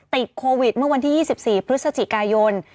ติดโควิดเมื่อวันที่๒๔พฤศจิกายน